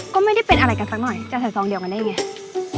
ก็ไม่ได้เป็นอะไรกันสักหน่อยจะใส่ซองเดียวกันได้ไง